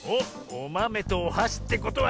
おまめとおはしってことは。